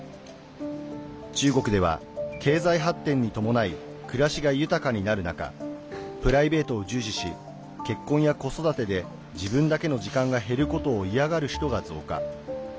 中国では、経済発展に伴い暮らしが豊かになる中プライベートを重視し結婚や子育てで自分だけの時間が減ることを嫌がる人が増加。